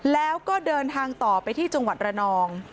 แล้วก็เดินทางต่อไปที่จังหวัดระนอง